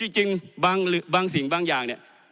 จริงบางสิ่งบางอย่างเนี่ย